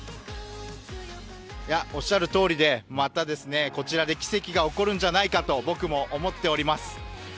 おっしゃるとおりでこちらでまた奇跡が起こるんじゃないかと僕も思っております。